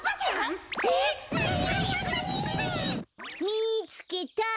みつけた。